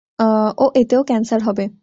ও এতেও ক্যান্সার হবে।